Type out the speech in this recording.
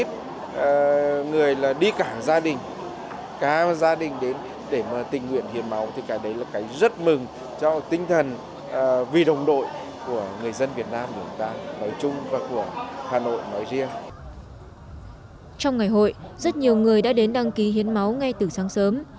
trong ngày hội rất nhiều người đã đến đăng ký hiến máu ngay từ sáng sớm